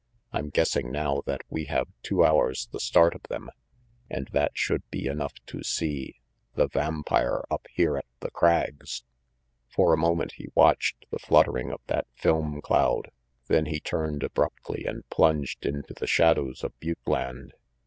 I'm guessing now that we have two hours the start of them, and that should be enough to see the vampire up here at the Crags." For a moment he watched the fluttering of that film cloud, then he turned abruptly and plunged into the shadows of butte land.